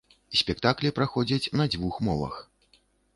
Спектаклі праходзяць на дзвюх мовах.